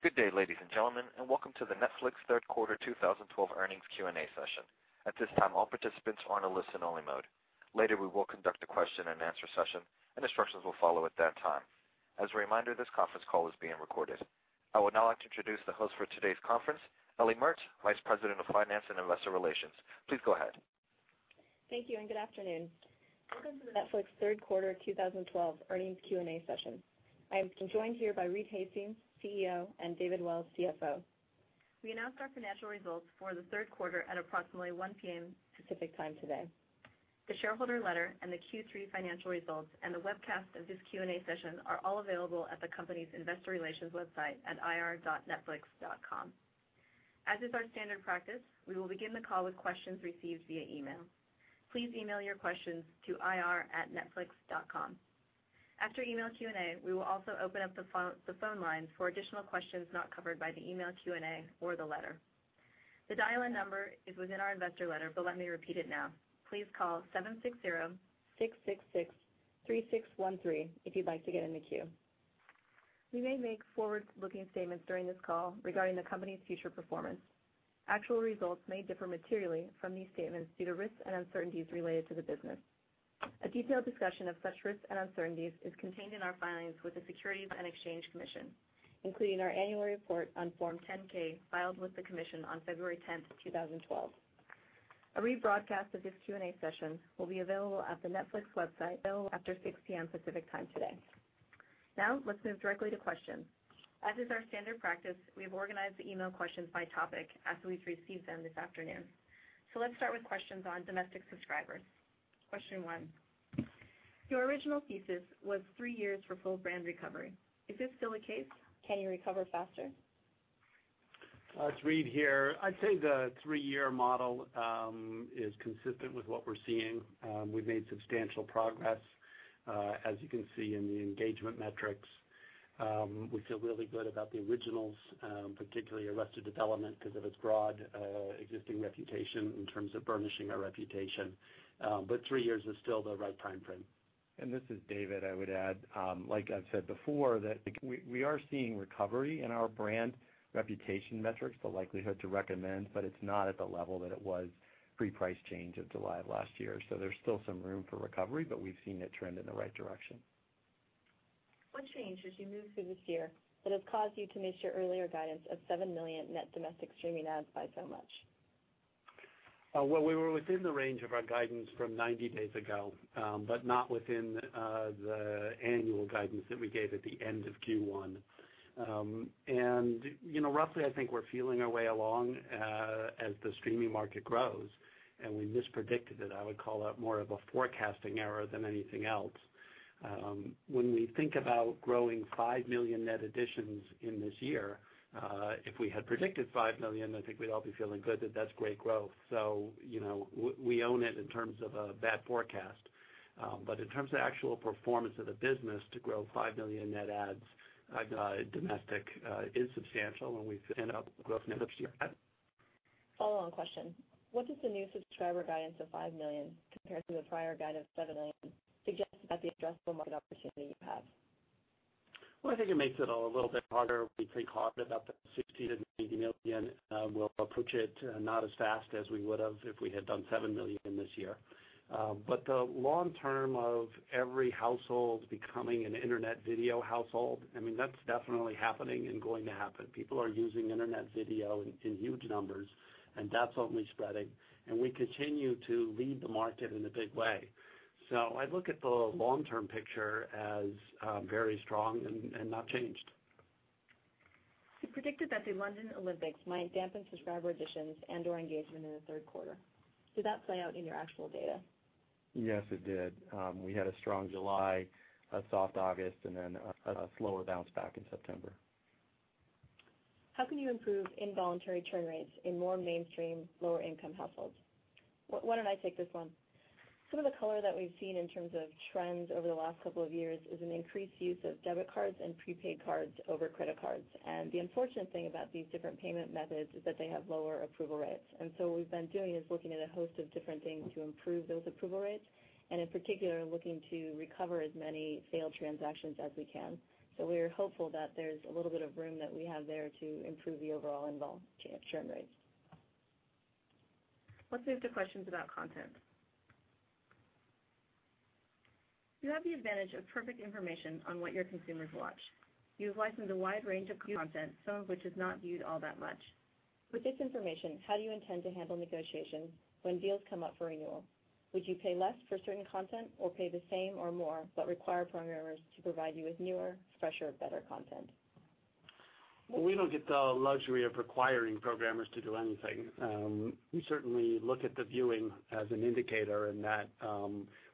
Good day, ladies and gentlemen, welcome to the Netflix third quarter 2012 earnings Q&A session. At this time, all participants are on a listen only mode. Later, we will conduct a question and answer session, and instructions will follow at that time. As a reminder, this conference call is being recorded. I would now like to introduce the host for today's conference, Ellie Mertz, Vice President of Finance and Investor Relations. Please go ahead. Thank you, and good afternoon. Welcome to the Netflix third quarter 2012 earnings Q&A session. I am joined here by Reed Hastings, CEO, and David Wells, CFO. We announced our financial results for the third quarter at approximately 1:00 P.M. Pacific Time today. The shareholder letter and the Q3 financial results and the webcast of this Q&A session are all available at the company's investor relations website at ir.netflix.com. As is our standard practice, we will begin the call with questions received via email. Please email your questions to ir@netflix.com. After email Q&A, we will also open up the phone lines for additional questions not covered by the email Q&A or the letter. The dial-in number is within our investor letter, let me repeat it now. Please call 760-666-3613 if you'd like to get in the queue. We may make forward-looking statements during this call regarding the company's future performance. Actual results may differ materially from these statements due to risks and uncertainties related to the business. A detailed discussion of such risks and uncertainties is contained in our filings with the Securities and Exchange Commission, including our annual report on Form 10-K filed with the commission on February 10th, 2012. A rebroadcast of this Q&A session will be available at the Netflix website after 6:00 P.M. Pacific Time today. Now, let's move directly to questions. As is our standard practice, we've organized the email questions by topic as we've received them this afternoon. Let's start with questions on domestic subscribers. Question one, your original thesis was three years for full brand recovery. Is this still the case? Can you recover faster? It's Reed here. I'd say the three-year model is consistent with what we're seeing. We've made substantial progress, as you can see in the engagement metrics. We feel really good about the originals, particularly "Arrested Development," because of its broad existing reputation in terms of burnishing our reputation. Three years is still the right timeframe. This is David. I would add, like I've said before, that we are seeing recovery in our brand reputation metrics, the likelihood to recommend, but it's not at the level that it was pre-price change of July of last year. There's still some room for recovery, but we've seen it trend in the right direction. What changed as you moved through this year that has caused you to miss your earlier guidance of 7 million net domestic streaming adds by so much? Well, we were within the range of our guidance from 90 days ago, but not within the annual guidance that we gave at the end of Q1. Roughly, I think we're feeling our way along as the streaming market grows, and we mispredicted it. I would call that more of a forecasting error than anything else. When we think about growing 5 million net additions in this year, if we had predicted 5 million, I think we'd all be feeling good that that's great growth. We own it in terms of a bad forecast. In terms of actual performance of the business to grow 5 million net adds domestic is substantial, and we've end up growing net adds here. Follow on question. What does the new subscriber guidance of 5 million compare to the prior guide of 7 million suggest about the addressable market opportunity you have? Well, I think it makes it a little bit harder. We think harder that the $16 million-$18 million will approach it not as fast as we would've if we had done $7 million this year. The long term of every household becoming an internet video household, that's definitely happening and going to happen. People are using internet video in huge numbers, and that's only spreading, and we continue to lead the market in a big way. I look at the long-term picture as very strong and not changed. You predicted that the London Olympics might dampen subscriber additions and/or engagement in the third quarter. Did that play out in your actual data? Yes, it did. We had a strong July, a soft August, then a slower bounce back in September. How can you improve involuntary churn rates in more mainstream, lower income households? Why don't I take this one? Some of the color that we've seen in terms of trends over the last couple of years is an increased use of debit cards and prepaid cards over credit cards. The unfortunate thing about these different payment methods is that they have lower approval rates. What we've been doing is looking at a host of different things to improve those approval rates, and in particular, looking to recover as many failed transactions as we can. We're hopeful that there's a little bit of room that we have there to improve the overall involuntary churn rates. Let's move to questions about content. You have the advantage of perfect information on what your consumers watch. You have licensed a wide range of content, some of which is not viewed all that much. With this information, how do you intend to handle negotiations when deals come up for renewal? Would you pay less for certain content or pay the same or more, but require programmers to provide you with newer, fresher, better content? Well, we don't get the luxury of requiring programmers to do anything. We certainly look at the viewing as an indicator, that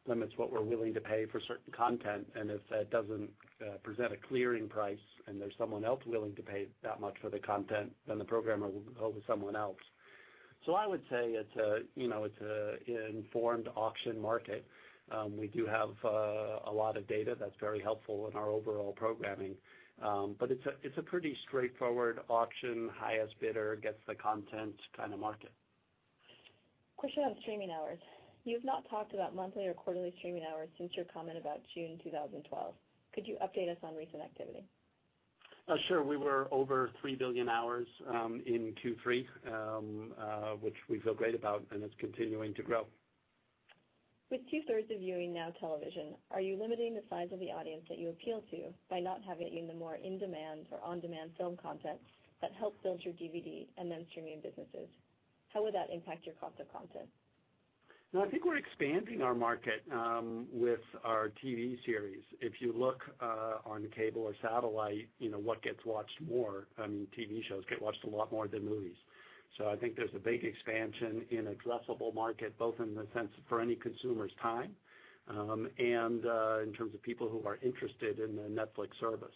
limits what we're willing to pay for certain content. If that doesn't present a clearing price and there's someone else willing to pay that much for the content, the programmer will go with someone else. I would say it's an informed auction market. We do have a lot of data that's very helpful in our overall programming. It's a pretty straightforward auction, highest bidder gets the content kind of market. Question on streaming hours. You've not talked about monthly or quarterly streaming hours since your comment about June 2012. Could you update us on recent activity? Sure. We were over 3 billion hours in Q3, which we feel great about, it's continuing to grow. With two-thirds of viewing now television, are you limiting the size of the audience that you appeal to by not having even more in-demand or on-demand film content that helped build your DVD and then streaming businesses? How would that impact your cost of content? I think we're expanding our market with our TV series. If you look on cable or satellite, what gets watched more, TV shows get watched a lot more than movies. I think there's a big expansion in addressable market, both in the sense for any consumer's time, and in terms of people who are interested in the Netflix service.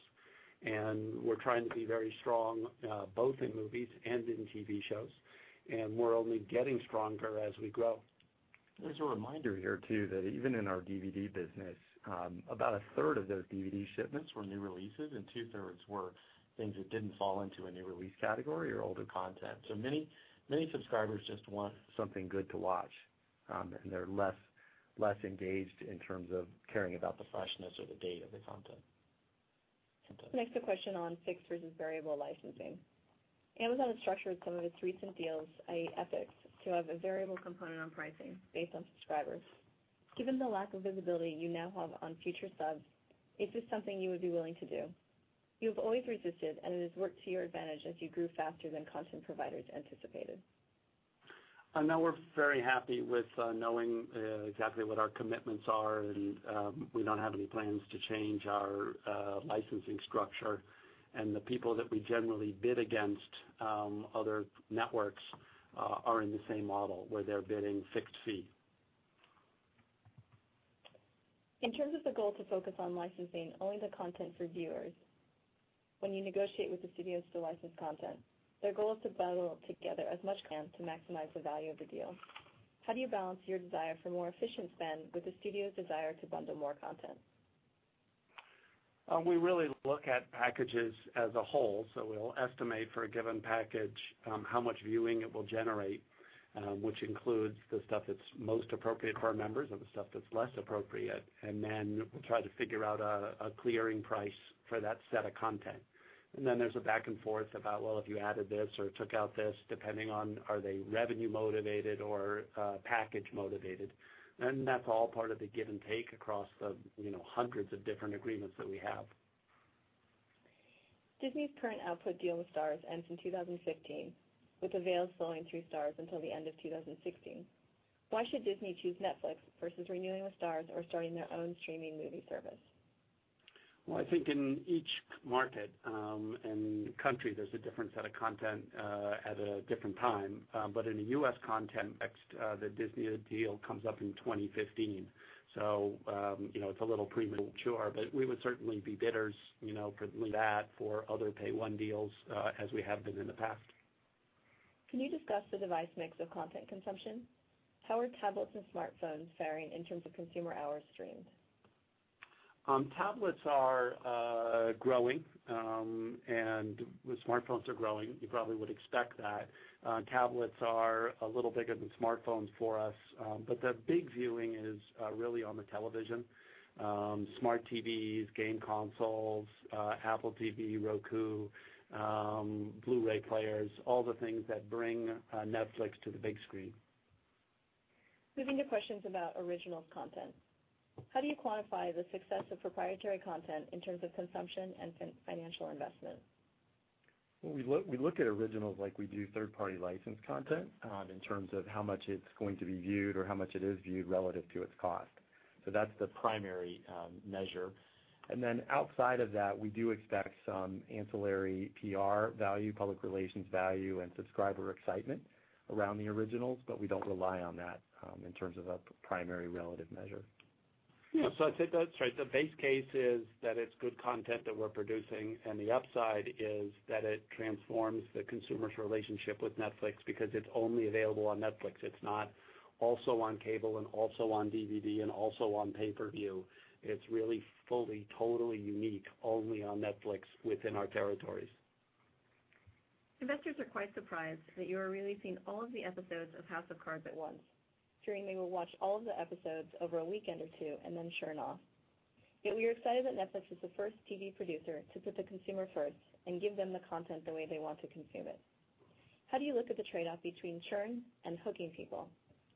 We're trying to be very strong both in movies and in TV shows, and we're only getting stronger as we grow. There's a reminder here, too, that even in our DVD business about a third of those DVD shipments were new releases, and two-thirds were things that didn't fall into a new release category or older content. Many subscribers just want something good to watch, and they're less engaged in terms of caring about the freshness or the date of the content. Next, a question on fixed versus variable licensing. Amazon has structured some of its recent deals, i.e. Epix, to have a variable component on pricing based on subscribers. Given the lack of visibility you now have on future subs, is this something you would be willing to do? You've always resisted. It has worked to your advantage as you grew faster than content providers anticipated. No, we're very happy with knowing exactly what our commitments are, and we don't have any plans to change our licensing structure. The people that we generally bid against, other networks, are in the same model where they're bidding fixed fee. In terms of the goal to focus on licensing only the content for viewers when you negotiate with the studios to license content, their goal is to bundle together as much content to maximize the value of the deal. How do you balance your desire for more efficient spend with the studio's desire to bundle more content? We really look at packages as a whole. We'll estimate for a given package how much viewing it will generate, which includes the stuff that's most appropriate for our members and the stuff that's less appropriate. We'll try to figure out a clearing price for that set of content. There's a back and forth about, well, if you added this or took out this, depending on are they revenue motivated or package motivated. That's all part of the give and take across the hundreds of different agreements that we have. Disney's current output deal with Starz ends in 2015, with avails flowing through Starz until the end of 2016. Why should Disney choose Netflix versus renewing with Starz or starting their own streaming movie service? I think in each market and country, there's a different set of content at a different time. In the U.S. content mix the Disney deal comes up in 2015, so it's a little premature, but we would certainly be bidders for that or other pay one deals as we have been in the past. Can you discuss the device mix of content consumption? How are tablets and smartphones faring in terms of consumer hours streamed? Tablets are growing, and smartphones are growing. You probably would expect that. Tablets are a little bigger than smartphones for us. The big viewing is really on the television. Smart TVs, game consoles, Apple TV, Roku, Blu-ray players, all the things that bring Netflix to the big screen. Moving to questions about originals content. How do you quantify the success of proprietary content in terms of consumption and financial investment? We look at originals like we do third-party licensed content in terms of how much it's going to be viewed or how much it is viewed relative to its cost. That's the primary measure. Outside of that, we do expect some ancillary PR value, public relations value, and subscriber excitement around the originals, we don't rely on that in terms of a primary relative measure. Yeah. I'd say that's right. The base case is that it's good content that we're producing, the upside is that it transforms the consumer's relationship with Netflix because it's only available on Netflix. It's not also on cable and also on DVD and also on pay-per-view. It's really fully, totally unique, only on Netflix within our territories. Investors are quite surprised that you are releasing all of the episodes of "House of Cards" at once, fearing they will watch all of the episodes over a weekend or two and then churn off. We are excited that Netflix is the first TV producer to put the consumer first and give them the content the way they want to consume it. How do you look at the trade-off between churn and hooking people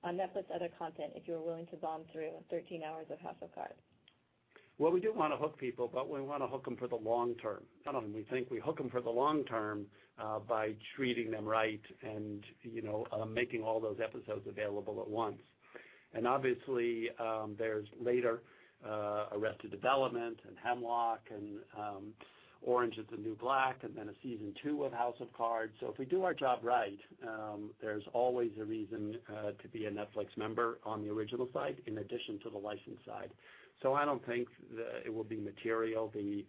on Netflix's other content if you are willing to bomb through 13 hours of "House of Cards? Well, we do want to hook people, we want to hook them for the long term. We think we hook them for the long term by treating them right and making all those episodes available at once. Obviously, there's later "Arrested Development" and "Hemlock" and "Orange Is the New Black," then a season two of "House of Cards." If we do our job right there's always a reason to be a Netflix member on the original side in addition to the licensed side. I don't think that it will be material, the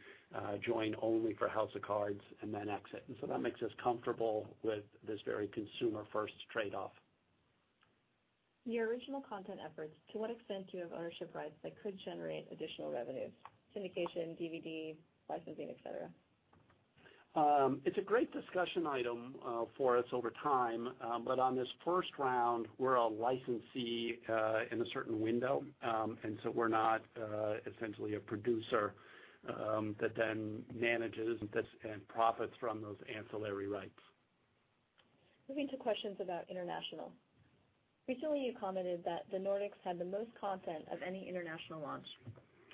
join only for "House of Cards" and then exit. That makes us comfortable with this very consumer-first trade-off. Your original content efforts, to what extent do you have ownership rights that could generate additional revenues? Syndication, DVD licensing, et cetera. It's a great discussion item for us over time. On this first round, we're a licensee in a certain window. So we're not essentially a producer that then manages and profits from those ancillary rights. Moving to questions about international. Recently, you commented that the Nordics had the most content of any international launch.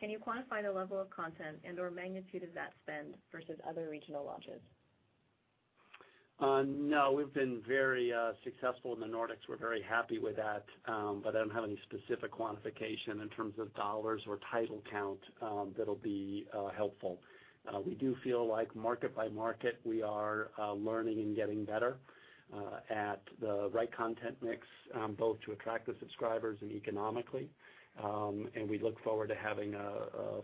Can you quantify the level of content and/or magnitude of that spend versus other regional launches? We've been very successful in the Nordics. We're very happy with that. I don't have any specific quantification in terms of dollars or title count that'll be helpful. We do feel like market by market, we are learning and getting better at the right content mix, both to attract the subscribers and economically. We look forward to having a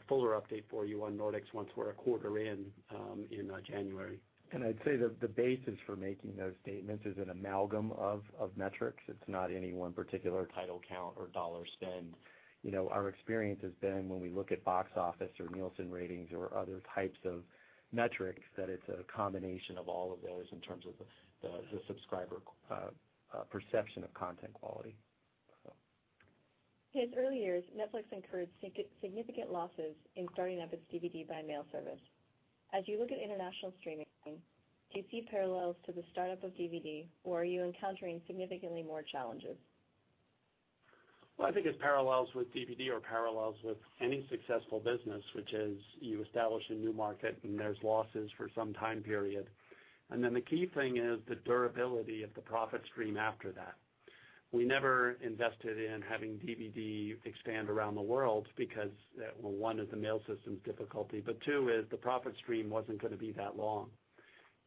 fuller update for you on Nordics once we're a quarter in January. I'd say that the basis for making those statements is an amalgam of metrics. It's not any one particular title count or dollar spend. Our experience has been when we look at box office or Nielsen ratings or other types of metrics, that it's a combination of all of those in terms of the subscriber perception of content quality. In its early years, Netflix incurred significant losses in starting up its DVD-by-mail service. As you look at international streaming, do you see parallels to the startup of DVD, or are you encountering significantly more challenges? Well, I think it's parallels with DVD or parallels with any successful business, which is you establish a new market and there's losses for some time period. Then the key thing is the durability of the profit stream after that. We never invested in having DVD expand around the world because one is the mail system's difficulty, but two is the profit stream wasn't going to be that long.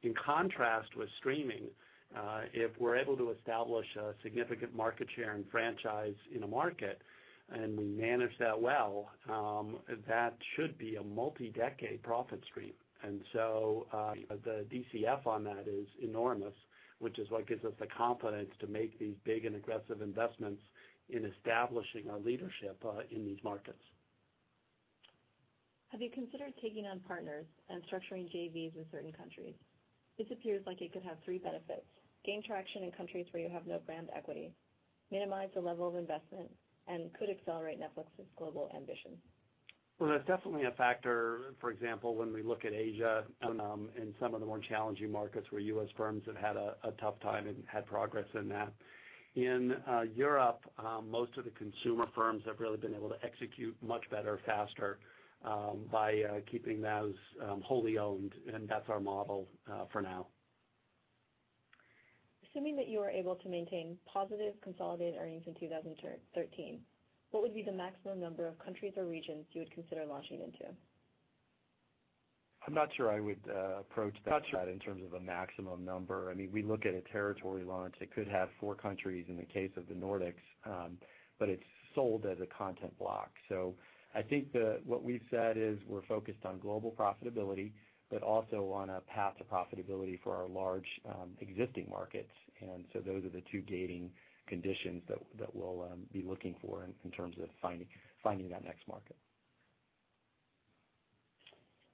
In contrast with streaming, if we're able to establish a significant market share and franchise in a market and we manage that well, that should be a multi-decade profit stream. So the DCF on that is enormous, which is what gives us the confidence to make these big and aggressive investments in establishing our leadership in these markets. Have you considered taking on partners and structuring JVs with certain countries? This appears like it could have three benefits, gain traction in countries where you have no brand equity, minimize the level of investment, and could accelerate Netflix's global ambition. Well, that's definitely a factor. For example, when we look at Asia and some of the more challenging markets where U.S. firms have had a tough time and had progress in that. In Europe, most of the consumer firms have really been able to execute much better, faster by keeping those wholly owned, and that's our model for now. Assuming that you are able to maintain positive consolidated earnings in 2013, what would be the maximum number of countries or regions you would consider launching into? I'm not sure I would approach that in terms of a maximum number. We look at a territory launch. It could have four countries in the case of the Nordics, but it's sold as a content block. I think that what we've said is we're focused on global profitability, but also on a path to profitability for our large existing markets. Those are the two gating conditions that we'll be looking for in terms of finding that next market.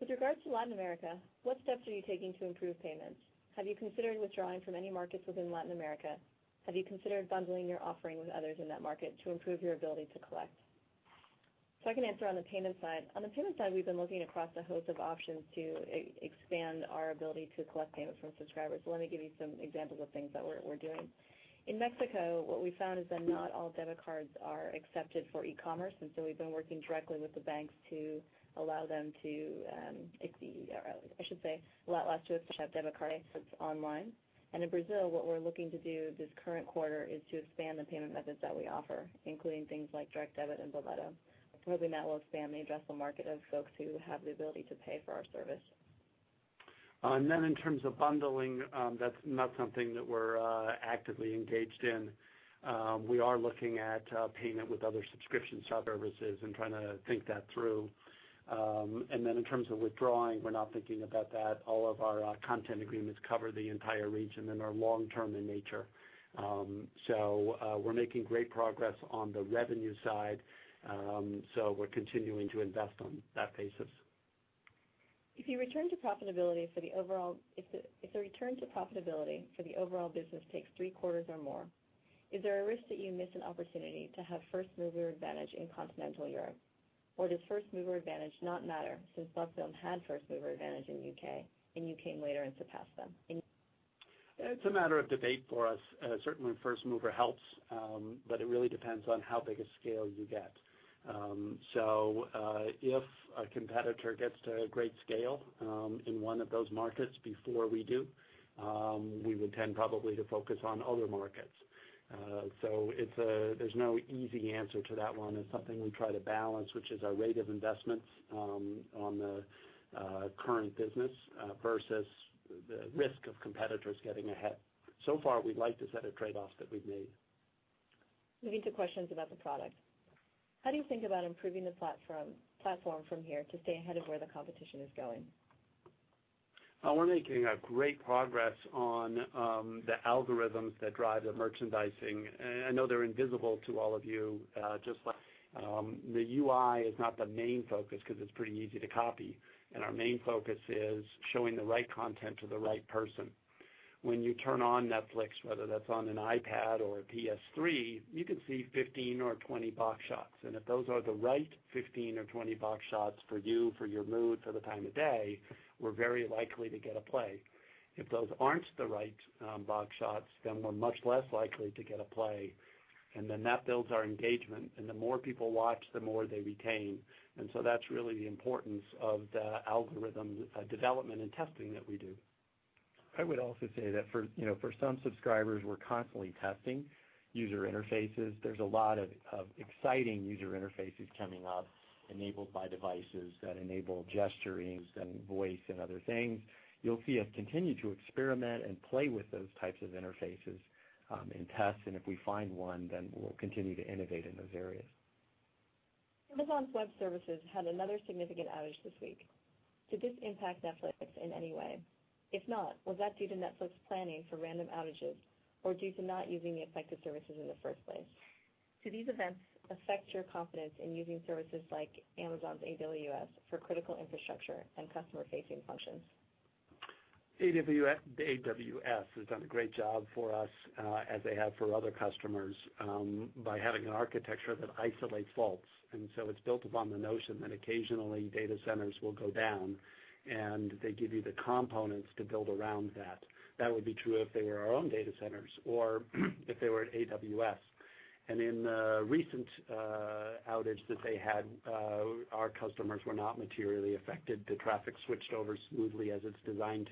With regards to Latin America, what steps are you taking to improve payments? Have you considered withdrawing from any markets within Latin America? Have you considered bundling your offering with others in that market to improve your ability to collect? I can answer on the payment side. On the payment side, we've been looking across a host of options to expand our ability to collect payments from subscribers. Let me give you some examples of things that we're doing. In Mexico, what we found is that not all debit cards are accepted for e-commerce, we've been working directly with the banks to allow us to accept debit cards online. In Brazil, what we're looking to do this current quarter is to expand the payment methods that we offer, including things like direct debit and Boleto. Hopefully, that will expand the addressable market of folks who have the ability to pay for our service. In terms of bundling, that's not something that we're actively engaged in. We are looking at payment with other subscription services and trying to think that through. In terms of withdrawing, we're not thinking about that. All of our content agreements cover the entire region and are long-term in nature. We're making great progress on the revenue side. We're continuing to invest on that basis. If the return to profitability for the overall business takes three quarters or more, is there a risk that you miss an opportunity to have first-mover advantage in Continental Europe? Does first-mover advantage not matter since LoveFilm had first-mover advantage in U.K. and you came later and surpassed them? It's a matter of debate for us. Certainly, first mover helps, but it really depends on how big a scale you get. If a competitor gets to a great scale in one of those markets before we do, we would tend probably to focus on other markets. There's no easy answer to that one. It's something we try to balance, which is our rate of investments on the current business versus the risk of competitors getting ahead. Far, we like the set of trade-offs that we've made. Moving to questions about the product. How do you think about improving the platform from here to stay ahead of where the competition is going? We're making great progress on the algorithms that drive the merchandising. I know they're invisible to all of you, just like the UI is not the main focus because it's pretty easy to copy. Our main focus is showing the right content to the right person. When you turn on Netflix, whether that's on an iPad or a PlayStation 3, you can see 15 or 20 box shots. If those are the right 15 or 20 box shots for you, for your mood, for the time of day, we're very likely to get a play. If those aren't the right box shots, then we're much less likely to get a play. That builds our engagement, and the more people watch, the more they retain. That's really the importance of the algorithm development and testing that we do. I would also say that for some subscribers, we're constantly testing user interfaces. There's a lot of exciting user interfaces coming up enabled by devices that enable gesturings and voice and other things. You'll see us continue to experiment and play with those types of interfaces in tests, if we find one, then we'll continue to innovate in those areas. Amazon Web Services had another significant outage this week. Did this impact Netflix in any way? If not, was that due to Netflix planning for random outages or due to not using the affected services in the first place? Do these events affect your confidence in using services like Amazon's AWS for critical infrastructure and customer-facing functions? AWS has done a great job for us, as they have for other customers, by having an architecture that isolates faults. It's built upon the notion that occasionally data centers will go down, and they give you the components to build around that. That would be true if they were our own data centers or if they were AWS. In the recent outage that they had, our customers were not materially affected. The traffic switched over smoothly as it's designed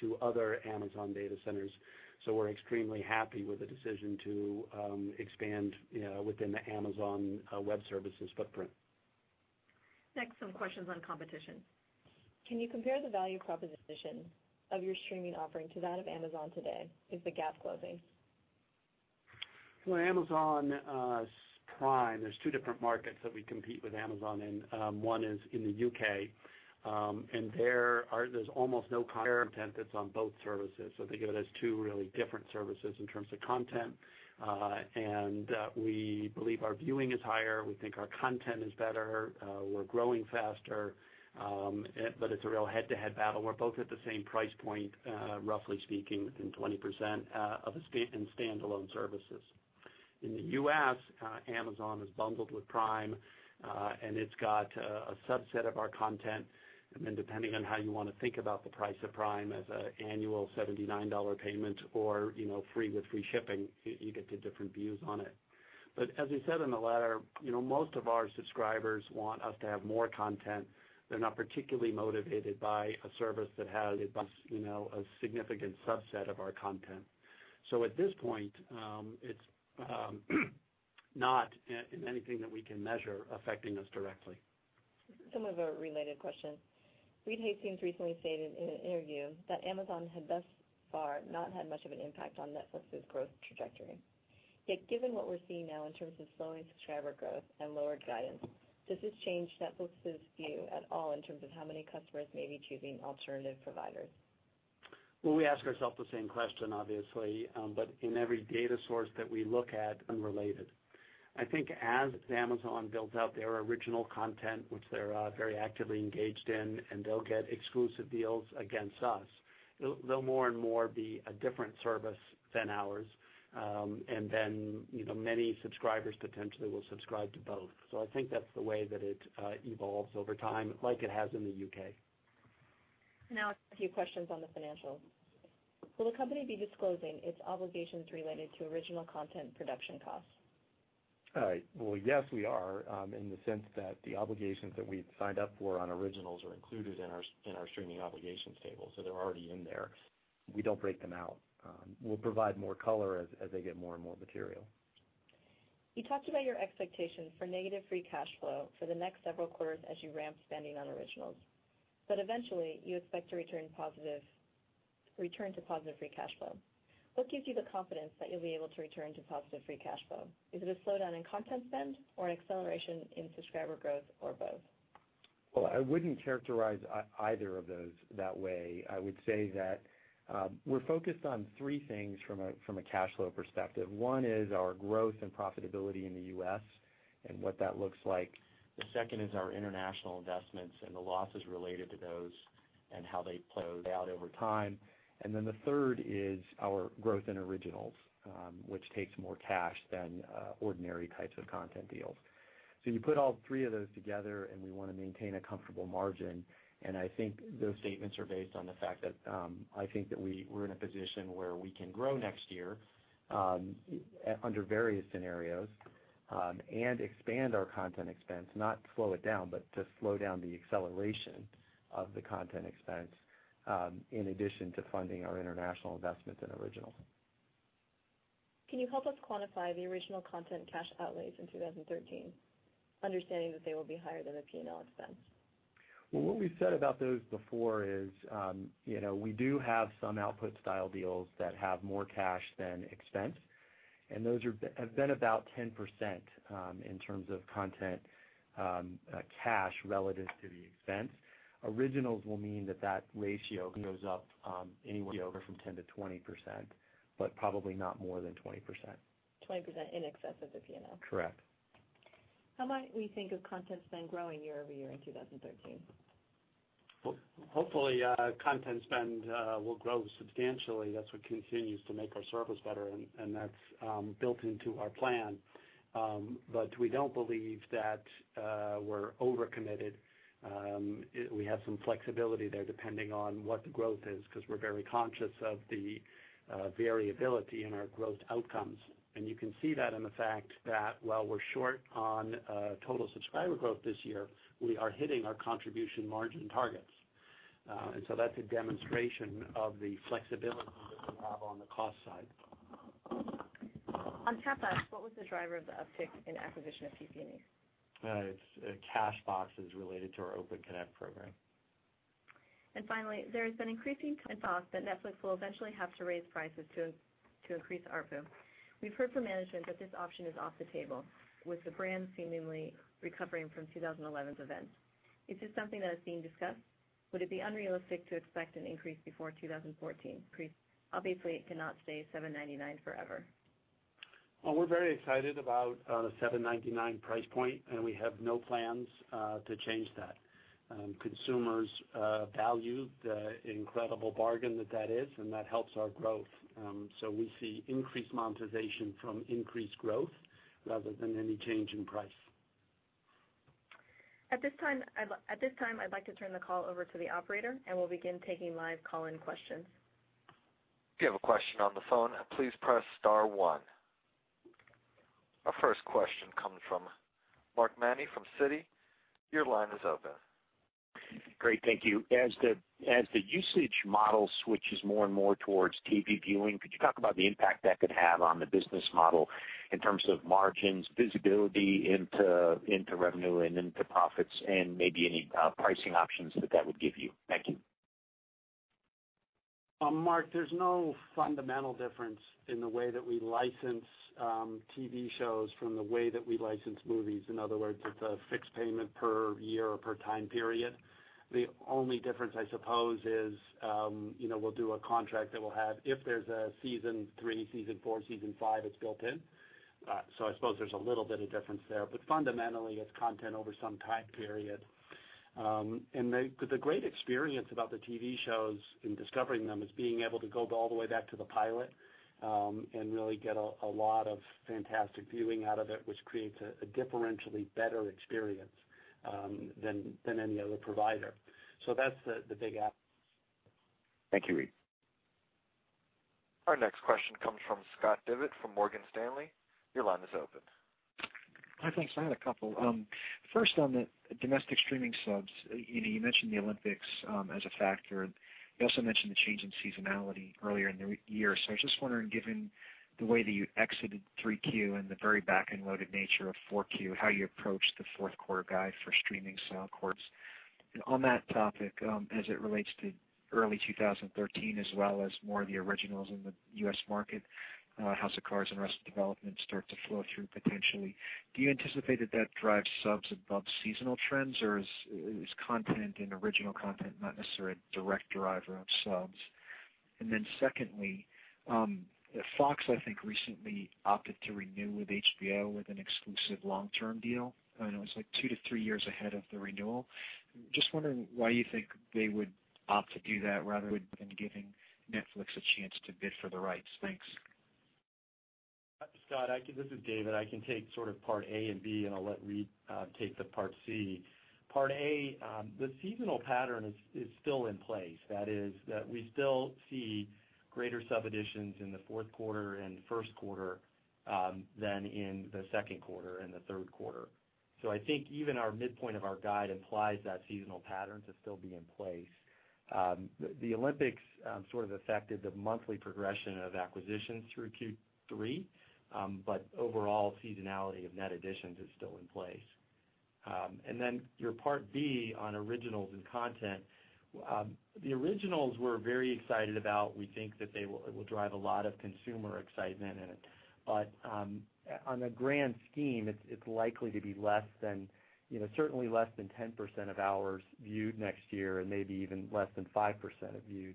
to other Amazon data centers. We're extremely happy with the decision to expand within the Amazon Web Services footprint. Next, some questions on competition. Can you compare the value proposition of your streaming offering to that of Amazon today? Is the gap closing? Well, Amazon Prime, there's two different markets that we compete with Amazon in. One is in the U.K., and there's almost no content that's on both services. Think of it as two really different services in terms of content. We believe our viewing is higher. We think our content is better. We're growing faster. It's a real head-to-head battle. We're both at the same price point, roughly speaking, within 20% in standalone services. In the U.S., Amazon is bundled with Prime, and it's got a subset of our content. Depending on how you want to think about the price of Prime as an annual $79 payment or free with free shipping, you get to different views on it. As we said in the letter, most of our subscribers want us to have more content. They're not particularly motivated by a service that has a significant subset of our content. At this point, it's not in anything that we can measure affecting us directly. Some of a related question. Given what we're seeing now in terms of slowing subscriber growth and lower guidance, does this change Netflix's view at all in terms of how many customers may be choosing alternative providers? Well, we ask ourselves the same question, obviously. In every data source that we look at, unrelated. I think as Amazon builds out their original content, which they're very actively engaged in, they'll get exclusive deals against us, they'll more and more be a different service than ours. Many subscribers potentially will subscribe to both. I think that's the way that it evolves over time, like it has in the U.K. Now a few questions on the financials. Will the company be disclosing its obligations related to original content production costs? Well, yes, we are, in the sense that the obligations that we've signed up for on originals are included in our streaming obligations table. They're already in there. We don't break them out. We'll provide more color as they get more and more material. You talked about your expectations for negative free cash flow for the next several quarters as you ramp spending on originals. Eventually, you expect to return to positive free cash flow. What gives you the confidence that you'll be able to return to positive free cash flow? Is it a slowdown in content spend or an acceleration in subscriber growth, or both? Well, I wouldn't characterize either of those that way. I would say that we're focused on three things from a cash flow perspective. One is our growth and profitability in the U.S. and what that looks like. The second is our international investments and the losses related to those and how they close out over time. The third is our growth in originals, which takes more cash than ordinary types of content deals. You put all three of those together, and we want to maintain a comfortable margin, and I think those statements are based on the fact that I think that we're in a position where we can grow next year under various scenarios and expand our content expense, not slow it down, but to slow down the acceleration of the content expense in addition to funding our international investments in originals. Can you help us quantify the original content cash outlays in 2013, understanding that they will be higher than the P&L expense? Well, what we've said about those before is we do have some output style deals that have more cash than expense, and those have been about 10% in terms of content cash relative to the expense. Originals will mean that that ratio goes up anywhere over from 10%-20%, but probably not more than 20%. 20% in excess of the P&L? Correct. How might we think of content spend growing year-over-year in 2013? Well, hopefully, content spend will grow substantially. That's what continues to make our service better, and that's built into our plan. We don't believe that we're over-committed. We have some flexibility there, depending on what the growth is, because we're very conscious of the variability in our growth outcomes. You can see that in the fact that while we're short on total subscriber growth this year, we are hitting our contribution margin targets. That's a demonstration of the flexibility that we have on the cost side. On CapEx, what was the driver of the uptick in acquisition of PP&E? It's cache boxes related to our Open Connect program. Finally, there's been increasing talk that Netflix will eventually have to raise prices to increase ARPU. We've heard from management that this option is off the table, with the brand seemingly recovering from 2011's events. Is this something that is being discussed? Would it be unrealistic to expect an increase before 2014? Obviously, it cannot stay $7.99 forever. Well, we're very excited about the $7.99 price point, and we have no plans to change that. Consumers value the incredible bargain that that is, and that helps our growth. We see increased monetization from increased growth rather than any change in price. At this time, I'd like to turn the call over to the operator, and we'll begin taking live call-in questions. If you have a question on the phone, please press star one. Our first question comes from Mark Mahaney from Citi. Your line is open. Great. Thank you. As the usage model switches more and more towards TV viewing, could you talk about the impact that could have on the business model in terms of margins, visibility into revenue and into profits, and maybe any pricing options that that would give you? Thank you. Mark, there's no fundamental difference in the way that we license TV shows from the way that we license movies. In other words, it's a fixed payment per year or per time period. The only difference, I suppose, is we'll do a contract that will have, if there's a season three, season four, season five, it's built in. I suppose there's a little bit of difference there. Fundamentally, it's content over some time period. The great experience about the TV shows in discovering them is being able to go all the way back to the pilot and really get a lot of fantastic viewing out of it, which creates a differentially better experience than any other provider. That's the big. Thank you, Reed. Our next question comes from Scott Devitt from Morgan Stanley. Your line is open. Hi, thanks. I had a couple. First, on the domestic streaming subs, you mentioned the Olympics as a factor. You also mentioned the change in seasonality earlier in the year. I was just wondering, given the way that you exited three Q and the very back-end-loaded nature of four Q, how you approach the fourth quarter guide for streaming subs. On that topic, as it relates to early 2013 as well as more of the originals in the U.S. market, "House of Cards" and "Arrested Development" start to flow through potentially. Do you anticipate that that drives subs above seasonal trends, or is content and original content not necessarily a direct driver of subs? Secondly, Fox, I think, recently opted to renew with HBO with an exclusive long-term deal. I know it's two to three years ahead of the renewal. Just wondering why you think they would opt to do that rather than giving Netflix a chance to bid for the rights. Thanks. Scott, this is David. I can take sort of part A and B, I'll let Reed take the part C. Part A, the seasonal pattern is still in place. That is that we still see greater sub additions in the fourth quarter and first quarter than in the second quarter and the third quarter. I think even our midpoint of our guide implies that seasonal pattern to still be in place. The Olympics sort of affected the monthly progression of acquisitions through Q3, overall seasonality of net additions is still in place. Then your part B on originals and content. The originals we're very excited about. We think that they will drive a lot of consumer excitement in it. On a grand scheme, it's likely to be certainly less than 10% of hours viewed next year and maybe even less than 5% of viewed.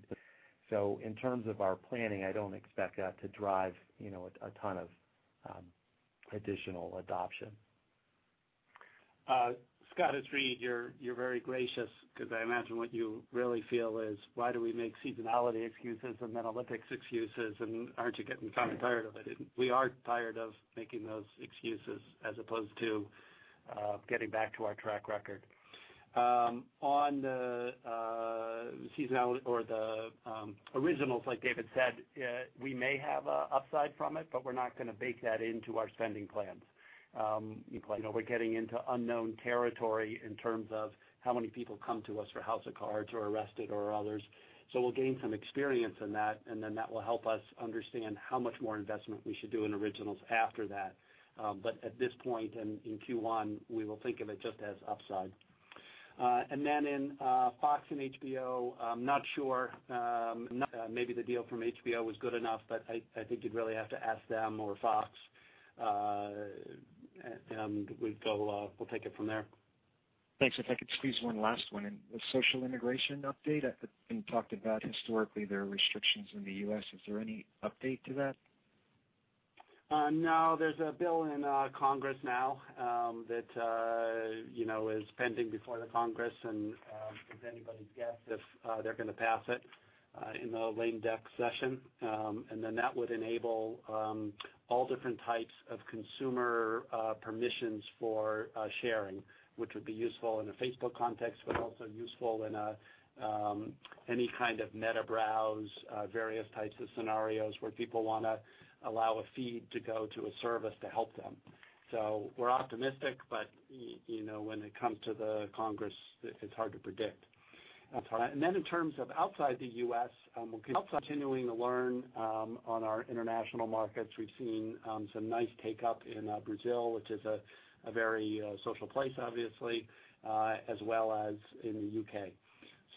In terms of our planning, I don't expect that to drive a ton of additional adoption. Scott, it's Reed. You're very gracious because I imagine what you really feel is why do we make seasonality excuses and then Olympics excuses, and aren't you getting kind of tired of it? We are tired of making those excuses as opposed to getting back to our track record. On the originals, like David said, we may have a upside from it, but we're not going to bake that into our spending plans. We're getting into unknown territory in terms of how many people come to us for "House of Cards" or "Arrested" or others. We'll gain some experience in that, and then that will help us understand how much more investment we should do in originals after that. At this point in Q1, we will think of it just as upside. Then in Fox and HBO, I'm not sure. Maybe the deal from HBO was good enough. I think you'd really have to ask them or Fox. We'll take it from there. Thanks. If I could squeeze one last one in. The social integration update. I think you talked about historically, there are restrictions in the U.S. Is there any update to that? No, there's a bill in Congress now that is pending before the Congress and it's anybody's guess if they're going to pass it in the lame-duck session. That would enable all different types of consumer permissions for sharing, which would be useful in a Facebook context, but also useful in any kind of meta browse, various types of scenarios where people want to allow a feed to go to a service to help them. We're optimistic, but when it comes to the Congress, it's hard to predict. In terms of outside the U.S., we're continuing to learn on our international markets. We've seen some nice take-up in Brazil, which is a very social place, obviously, as well as in the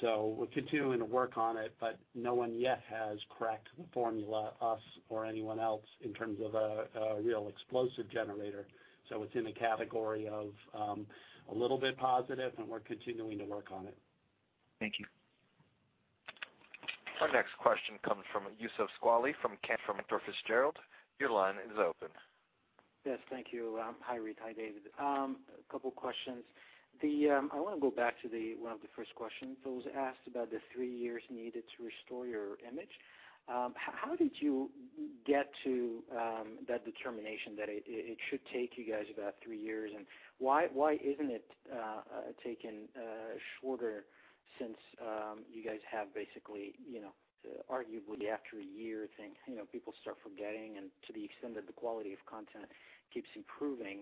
U.K. We're continuing to work on it, but no one yet has cracked the formula, us or anyone else, in terms of a real explosive generator. It's in the category of a little bit positive, and we're continuing to work on it. Thank you. Our next question comes from Youssef Squali from Cantor Fitzgerald. Your line is open. Yes. Thank you. Hi, Reed. Hi, David. A couple questions. I want to go back to one of the first questions that was asked about the three years needed to restore your image. How did you get to that determination that it should take you guys about three years? Why isn't it taking shorter since you guys have basically, arguably after a year, think people start forgetting and to the extent that the quality of content keeps improving,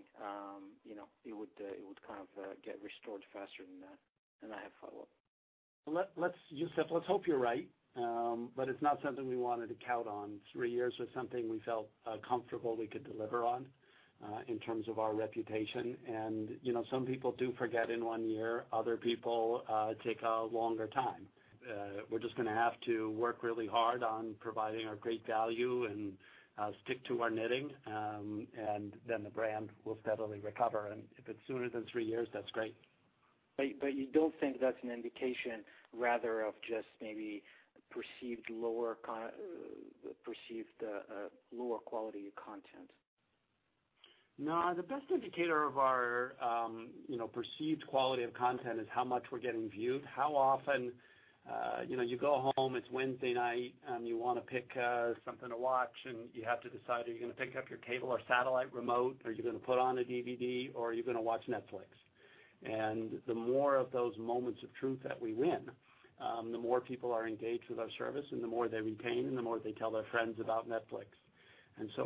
it would kind of get restored faster than that? I have follow-up. Youssef, let's hope you're right. It's not something we wanted to count on. Three years was something we felt comfortable we could deliver on in terms of our reputation. Some people do forget in one year, other people take a longer time. We're just going to have to work really hard on providing our great value and stick to our knitting, and then the brand will steadily recover. If it's sooner than three years, that's great. You don't think that's an indication rather of just maybe perceived lower quality of content? No, the best indicator of our perceived quality of content is how much we're getting viewed, how often you go home, it's Wednesday night, and you want to pick something to watch, and you have to decide, are you going to pick up your cable or satellite remote? Are you going to put on a DVD or are you going to watch Netflix? The more of those moments of truth that we win, the more people are engaged with our service and the more they retain and the more they tell their friends about Netflix.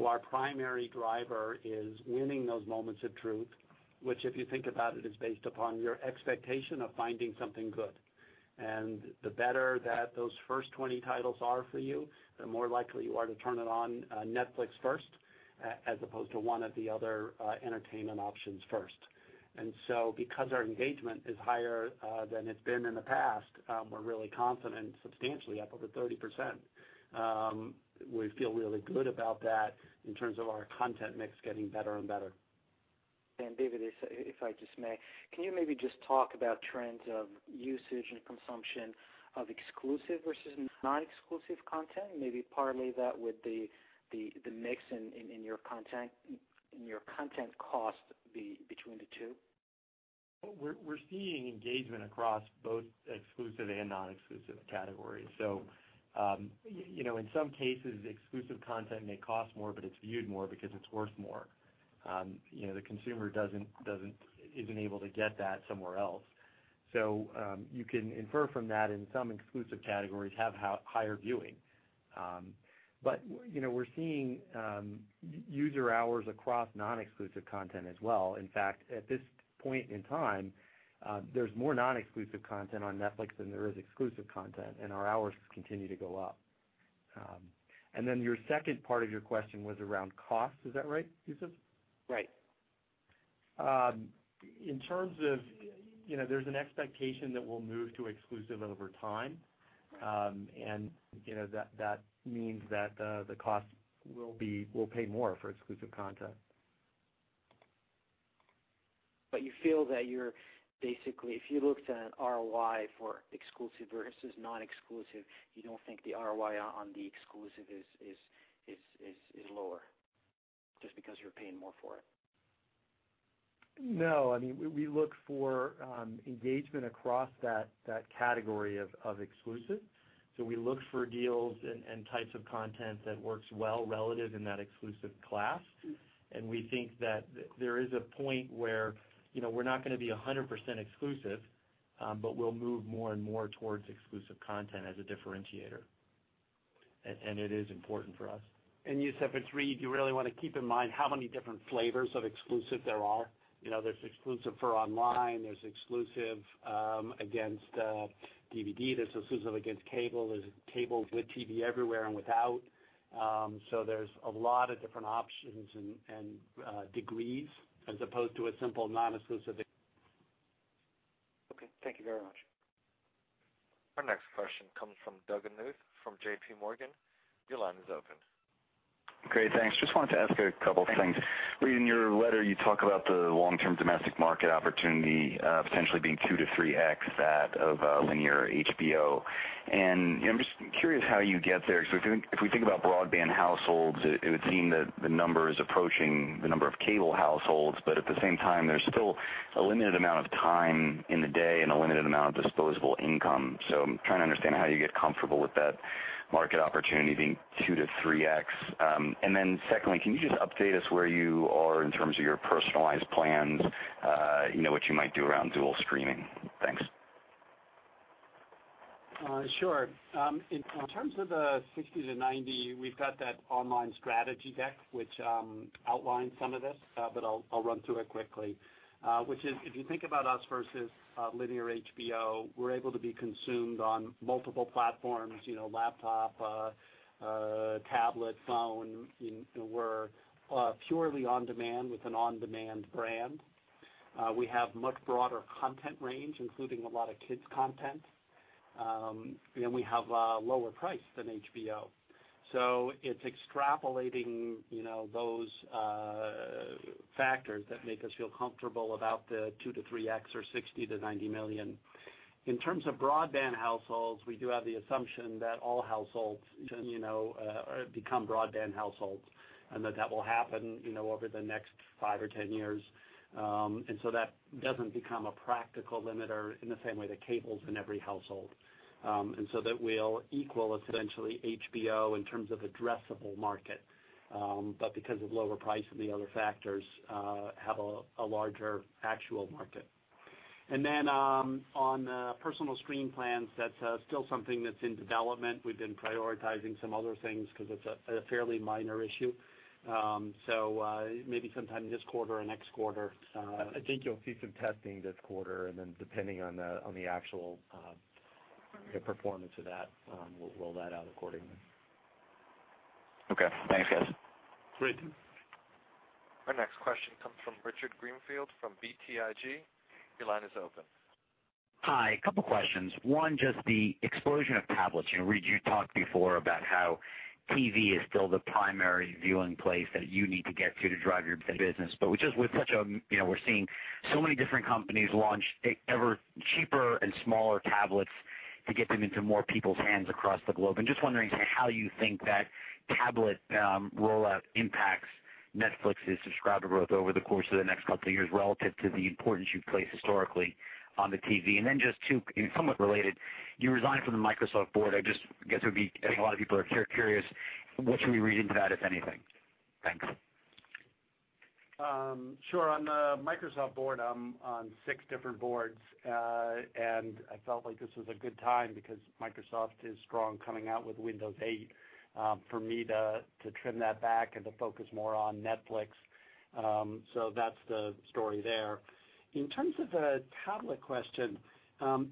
Our primary driver is winning those moments of truth, which, if you think about it, is based upon your expectation of finding something good. The better that those first 20 titles are for you, the more likely you are to turn it on Netflix first as opposed to one of the other entertainment options first. Because our engagement is higher than it's been in the past, we're really confident, substantially up over 30%. We feel really good about that in terms of our content mix getting better and better. David, if I just may, can you maybe just talk about trends of usage and consumption of exclusive versus non-exclusive content? Maybe parlay that with the mix in your content cost between the two? We're seeing engagement across both exclusive and non-exclusive categories. In some cases, exclusive content may cost more, but it's viewed more because it's worth more. The consumer isn't able to get that somewhere else. You can infer from that in some exclusive categories have higher viewing. We're seeing user hours across non-exclusive content as well. In fact, at this point in time, there's more non-exclusive content on Netflix than there is exclusive content, and our hours continue to go up. Your second part of your question was around cost. Is that right, Youssef? Right. There's an expectation that we'll move to exclusive over time. That means that the cost will pay more for exclusive content. You feel that you're basically, if you looked at an ROI for exclusive versus non-exclusive, you don't think the ROI on the exclusive is lower just because you're paying more for it? No. We look for engagement across that category of exclusive. We look for deals and types of content that works well relative in that exclusive class. We think that there is a point where we're not going to be 100% exclusive, but we'll move more and more towards exclusive content as a differentiator. It is important for us. Youssef and Reed, you really want to keep in mind how many different flavors of exclusive there are. There's exclusive for online, there's exclusive against DVD, there's exclusive against cable, there's cable with TV everywhere and without. There's a lot of different options and degrees as opposed to a simple non-exclusive. Okay. Thank you very much. Our next question comes from Doug Anmuth from JPMorgan. Your line is open. Great. Thanks. Just wanted to ask a couple things. Reading your letter, you talk about the long-term domestic market opportunity potentially being 2 to 3x that of linear HBO. I'm just curious how you get there because if we think about broadband households, it would seem that the number is approaching the number of cable households, but at the same time, there's still a limited amount of time in the day and a limited amount of disposable income. I'm trying to understand how you get comfortable with that market opportunity being 2 to 3x. Secondly, can you just update us where you are in terms of your personalized plans, what you might do around dual screening? Thanks. Sure. In terms of the 60 to 90, we've got that online strategy deck, which outlines some of this, but I'll run through it quickly. Which is, if you think about us versus linear HBO, we're able to be consumed on multiple platforms laptop, tablet, phone. We're purely on-demand with an on-demand brand. We have much broader content range, including a lot of kids content. We have a lower price than HBO. It's extrapolating those factors that make us feel comfortable about the 2 to 3x or $60 million-$90 million. In terms of broadband households, we do have the assumption that all households become broadband households, and that that will happen over the next five or 10 years. That doesn't become a practical limiter in the same way that cable's in every household. That will equal essentially HBO in terms of addressable market. Because of lower price and the other factors, have a larger actual market. On personal screen plans, that's still something that's in development. We've been prioritizing some other things because it's a fairly minor issue. Maybe sometime this quarter or next quarter. I think you'll see some testing this quarter and then depending on the actual performance of that, we'll roll that out accordingly. Okay, thanks guys. Great. Our next question comes from Richard Greenfield from BTIG. Your line is open. Hi, a couple questions. One, just the explosion of tablets. Reed, you talked before about how TV is still the primary viewing place that you need to get to to drive your business, but we're seeing so many different companies launch ever cheaper and smaller tablets to get them into more people's hands across the globe. Just wondering how you think that tablet rollout impacts Netflix's subscriber growth over the course of the next couple of years relative to the importance you've placed historically on the TV. Just two, somewhat related, you resigned from the Microsoft board. I guess it would be a lot of people are curious what should we read into that, if anything? Thanks. Sure. On the Microsoft board, I'm on six different boards. I felt like this was a good time because Microsoft is strong coming out with Windows 8 for me to trim that back and to focus more on Netflix. That's the story there. In terms of the tablet question,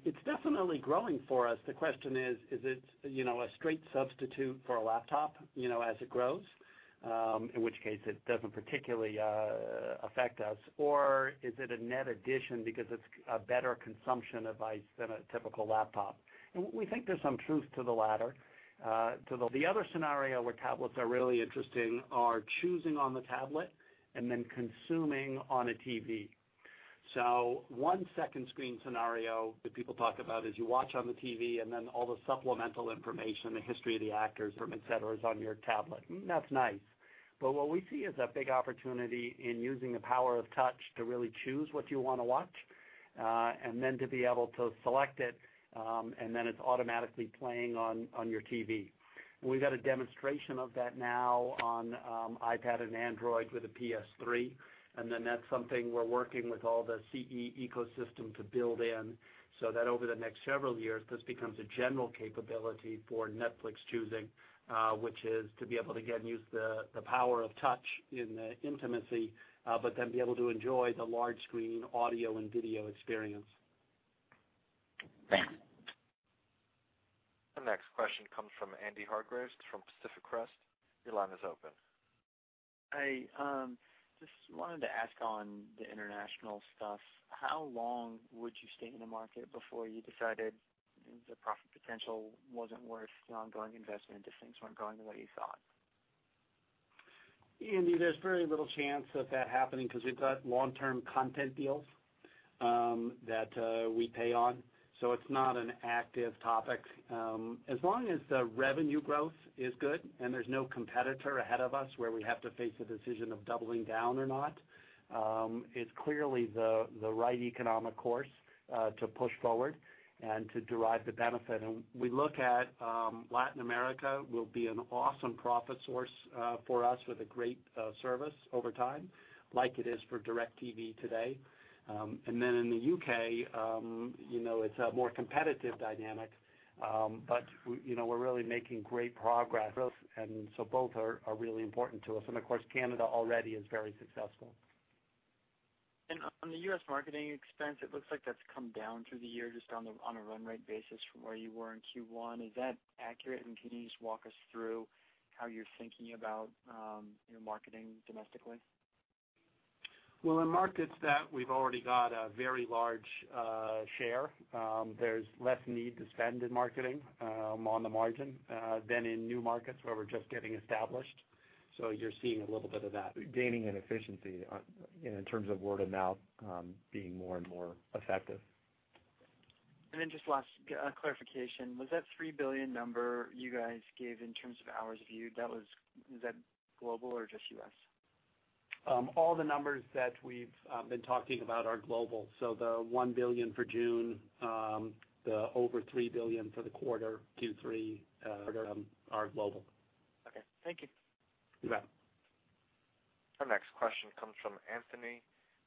it's definitely growing for us. The question is it a straight substitute for a laptop as it grows? In which case it doesn't particularly affect us, or is it a net addition because it's a better consumption device than a typical laptop. We think there's some truth to the latter. The other scenario where tablets are really interesting are choosing on the tablet and then consuming on a TV. One second screen scenario that people talk about is you watch on the TV and then all the supplemental information, the history of the actors from et cetera is on your tablet. That's nice. What we see is a big opportunity in using the power of touch to really choose what you want to watch, and then to be able to select it, and then it's automatically playing on your TV. We've got a demonstration of that now on iPad and Android with a PS3, that's something we're working with all the CE ecosystem to build in so that over the next several years, this becomes a general capability for Netflix choosing. Which is to be able to, again, use the power of touch in the intimacy, but then be able to enjoy the large screen audio and video experience. Thanks. The next question comes from Andy Hargreaves from Pacific Crest. Your line is open. I just wanted to ask on the international stuff, how long would you stay in a market before you decided the profit potential wasn't worth the ongoing investment if things weren't going the way you thought? Andy, there's very little chance of that happening because we've got long-term content deals that we pay on. It's not an active topic. As long as the revenue growth is good and there's no competitor ahead of us where we have to face a decision of doubling down or not, it's clearly the right economic course to push forward and to derive the benefit. We look at Latin America will be an awesome profit source for us with a great service over time, like it is for DirecTV today. In the U.K., it's a more competitive dynamic, but we're really making great progress. Both are really important to us. Of course, Canada already is very successful. On the U.S. marketing expense, it looks like that's come down through the year just on a run rate basis from where you were in Q1. Is that accurate, and can you just walk us through how you're thinking about your marketing domestically? Well, in markets that we've already got a very large share, there's less need to spend in marketing on the margin than in new markets where we're just getting established. You're seeing a little bit of that. Gaining in efficiency in terms of word of mouth being more and more effective. just last clarification, was that 3 billion number you guys gave in terms of hours viewed, is that global or just U.S.? All the numbers that we've been talking about are global. The 1 billion for June, the over 3 billion for the quarter, Q3, are global. Okay. Thank you. You bet. Our next question comes from Anthony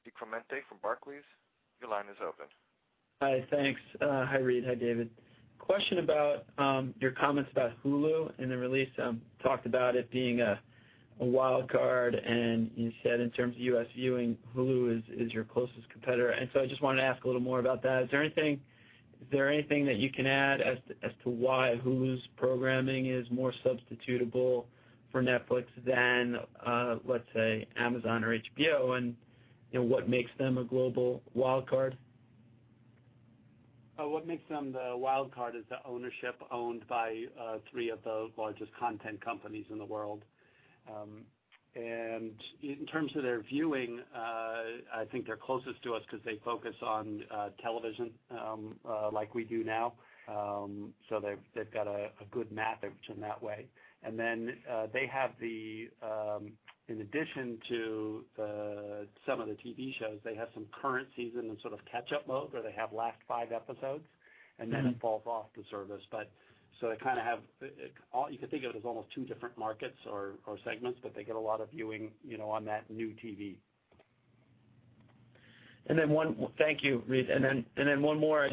DiClemente from Barclays. Your line is open. Hi. Thanks. Hi, Reed. Hi, David. Question about your comments about Hulu in the release, talked about it being a wild card and you said in terms of U.S. viewing, Hulu is your closest competitor. I just wanted to ask a little more about that. Is there anything that you can add as to why Hulu's programming is more substitutable for Netflix than, let's say, Amazon or HBO? What makes them a global wild card? What makes them the wild card is the ownership owned by three of the largest content companies in the world. In terms of their viewing, I think they're closest to us because they focus on television like we do now. They've got a good map in that way. They have, in addition to some of the TV shows, they have some current season in sort of catch-up mode where they have last five episodes and then it falls off the service. They kind of have, you could think of it as almost two different markets or segments, but they get a lot of viewing on that new TV. Thank you, Reed. One more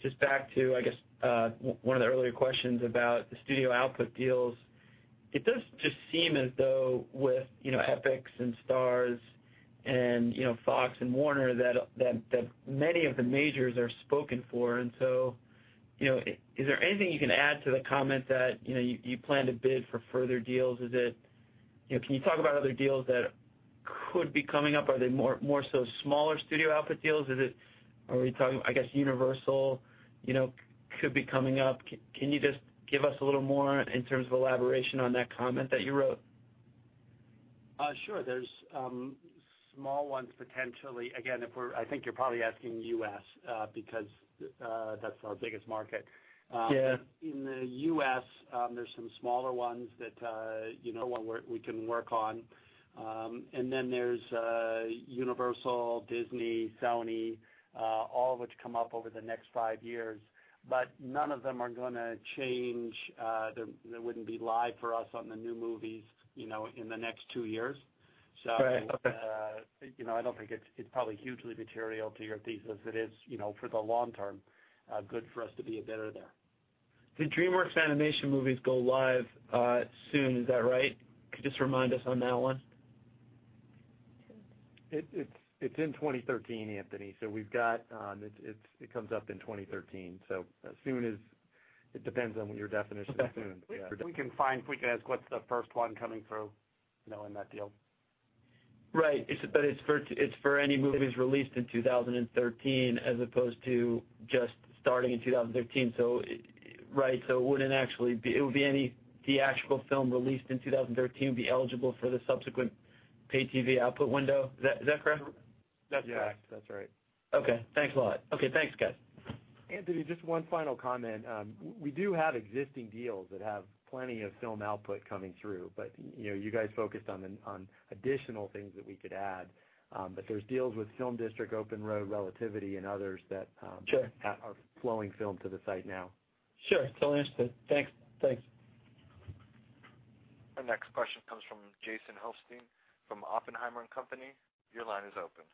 just back to, I guess, one of the earlier questions about the studio output deals. It does just seem as though with Epix and Starz and Fox and Warner, that many of the majors are spoken for. Is there anything you can add to the comment that you plan to bid for further deals? Can you talk about other deals that could be coming up? Are they more so smaller studio output deals? Are we talking, I guess, Universal could be coming up? Can you just give us a little more in terms of elaboration on that comment that you wrote? Sure. There's small ones potentially. Again, I think you're probably asking U.S., because that's our biggest market. Yeah. In the U.S., there's some smaller ones that we can work on. There's Universal, Disney, Sony, all of which come up over the next 5 years, but none of them are going to change. They wouldn't be live for us on the new movies in the next 2 years. Right. Okay. I don't think it's probably hugely material to your thesis. It is for the long-term good for us to be a bidder there. The DreamWorks Animation movies go live soon, is that right? Could you just remind us on that one? It's in 2013, Anthony. It comes up in 2013. It depends on your definition of soon. We can ask what's the first one coming through in that deal. Right. It's for any movies released in 2013 as opposed to just starting in 2013. Right, it would be any theatrical film released in 2013 would be eligible for the subsequent pay TV output window. Is that correct? That's correct. Yeah. That's right. Okay. Thanks a lot. Okay, thanks, guys. Anthony, just one final comment. We do have existing deals that have plenty of film output coming through, you guys focused on additional things that we could add. There's deals with FilmDistrict, Open Road, Relativity, and others that. Sure are flowing film to the site now. Sure. Totally understood. Thanks. Our next question comes from Jason Helfstein from Oppenheimer & Co.. Your line is open.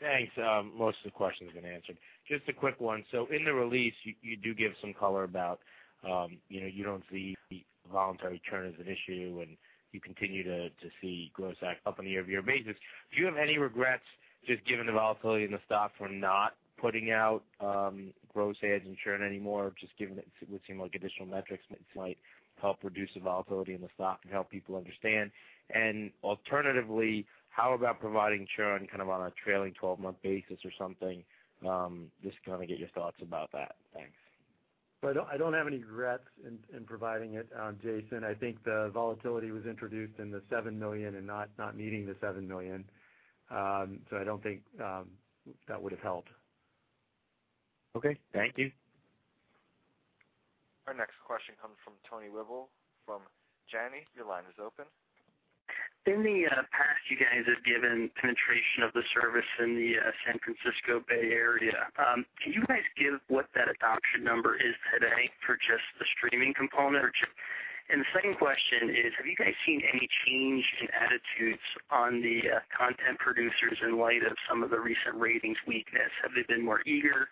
Thanks. Most of the question's been answered. Just a quick one. In the release, you do give some color about you don't see voluntary churn as an issue and you continue to see gross adds up on a year-over-year basis. Do you have any regrets, just given the volatility in the stock from not putting out gross adds and churn anymore, just given it would seem like additional metrics might help reduce the volatility in the stock and help people understand? Alternatively, how about providing churn kind of on a trailing 12-month basis or something? Just kind of get your thoughts about that. Thanks. I don't have any regrets in providing it, Jason. I think the volatility was introduced in the 7 million and not meeting the 7 million. I don't think that would've helped. Okay. Thank you. Our next question comes from Tony Wible from Janney. Your line is open. In the past, you guys have given penetration of the service in the San Francisco Bay Area. Can you guys give what that adoption number is today for just the streaming component? The second question is, have you guys seen any change in attitudes on the content producers in light of some of the recent ratings weakness? Have they been more eager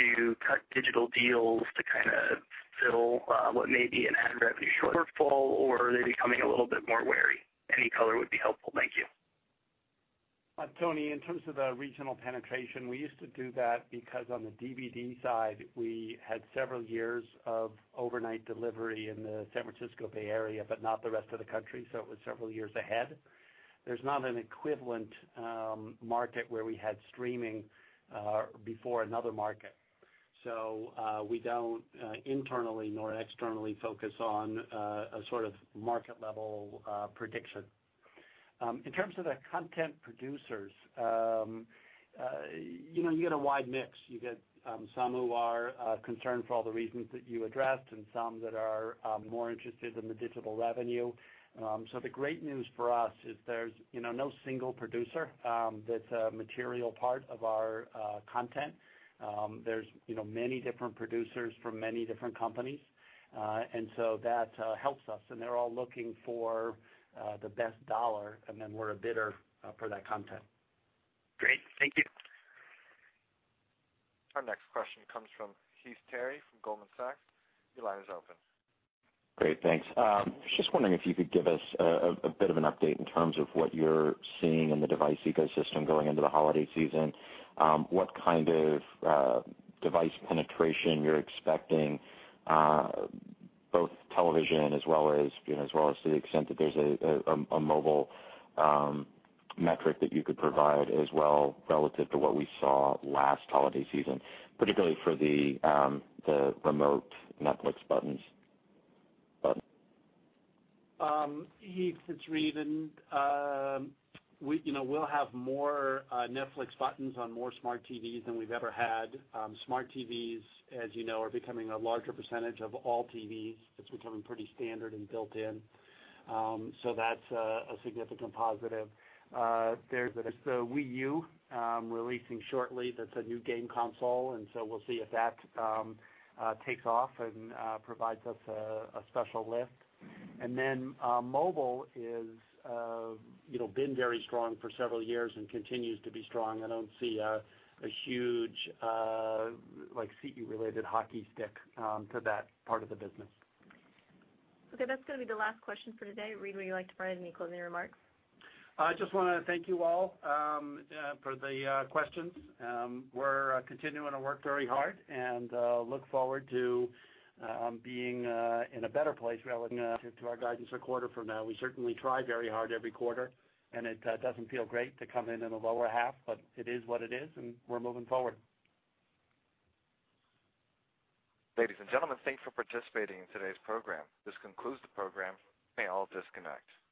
to cut digital deals to kind of fill what may be an ad revenue shortfall, or are they becoming a little bit more wary? Any color would be helpful. Thank you. Tony, in terms of the regional penetration, we used to do that because on the DVD side, we had several years of overnight delivery in the San Francisco Bay Area, but not the rest of the country, so it was several years ahead. There's not an equivalent market where we had streaming before another market. We don't internally nor externally focus on a sort of market-level prediction. In terms of the content producers, you get a wide mix. You get some who are concerned for all the reasons that you addressed, and some that are more interested in the digital revenue. The great news for us is there's no single producer that's a material part of our content. There's many different producers from many different companies. That helps us, and they're all looking for the best dollar, and then we're a bidder for that content. Great. Thank you. Our next question comes from Heath Terry from Goldman Sachs. Your line is open. Great. Thanks. Just wondering if you could give us a bit of an update in terms of what you're seeing in the device ecosystem going into the holiday season. What kind of device penetration you're expecting, both television as well as to the extent that there's a mobile metric that you could provide as well relative to what we saw last holiday season, particularly for the remote Netflix buttons. Heath, it's Reed. We'll have more Netflix buttons on more smart TVs than we've ever had. Smart TVs, as you know, are becoming a larger percentage of all TVs. It's becoming pretty standard and built-in. That's a significant positive. There's the Wii U releasing shortly. That's a new game console, we'll see if that takes off and provides us a special lift. Mobile has been very strong for several years and continues to be strong. I don't see a huge CE-related hockey stick to that part of the business. Okay. That's going to be the last question for today. Reed, would you like to provide any closing remarks? I just want to thank you all for the questions. We're continuing to work very hard and look forward to being in a better place relative to our guidance a quarter from now. We certainly try very hard every quarter, and it doesn't feel great to come in in a lower half, but it is what it is, and we're moving forward. Ladies and gentlemen, thanks for participating in today's program. This concludes the program. You may all disconnect.